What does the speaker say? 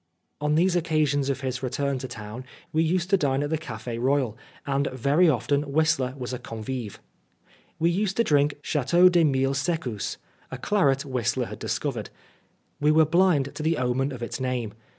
On these occasions of his return to town we used to dine at the Cafe" Royal, and very often Whistler was a convive. We used to drink Chateau des Mille Se'cousses, a claret Whistler had discovered. We were blind to the omen of its name.